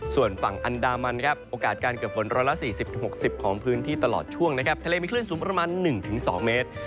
ส่วนฝั่งอันดามันครับโอกาสการเกิดฝน๑๔๐๖๐ของพื้นที่ตลอดช่วงนะครับทะเลมีคลื่นสูงประมาณ๑๒เมตร